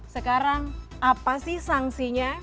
sekarang apa sih sanksinya